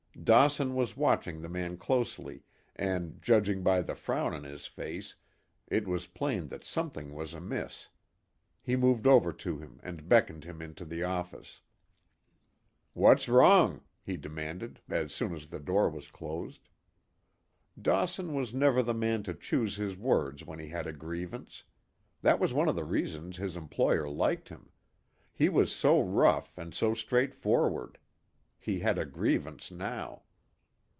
Dawson was watching the man closely, and judging by the frown on his face, it was plain that something was amiss. He moved over to him and beckoned him into the office. "What's wrong?" he demanded, as soon as the door was closed. Dawson was never the man to choose his words when he had a grievance. That was one of the reasons his employer liked him. He was so rough, and so straightforward. He had a grievance now.